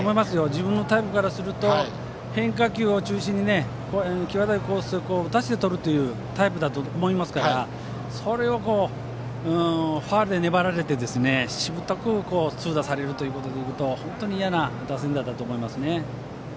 自分のタイプからすると変化球を中心に際どいコースを打たせてとるタイプだと思いますからそれをファウルで粘られてしぶとく痛打されることは本当に嫌な打線だったと思いますね。